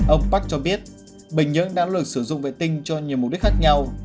ông park cho biết bình nhưỡng đã lược sử dụng vệ tinh cho nhiều mục đích khác nhau